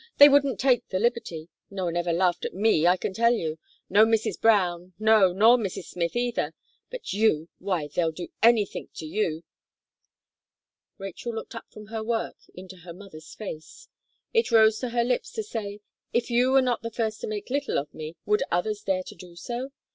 They wouldn't take the liberty. No one ever laughed at me, I can tell you. No Mrs. Brown; no, nor no Mrs. Smith either. But you! why, they'll do anythink to you." Rachel looked up from her work into her mother's face. It rose to her lips to say "If you were not the first to make little of me, would others dare to do so?"